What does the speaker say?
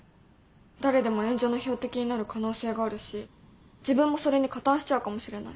誰でも炎上の標的になる可能性があるし自分もそれに加担しちゃうかもしれない。